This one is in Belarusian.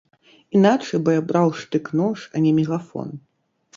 Іначай бы я браў штык-нож, а не мегафон.